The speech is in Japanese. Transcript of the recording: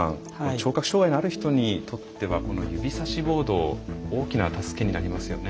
聴覚障害のある人にとってはこの指さしボード大きな助けになりますよね。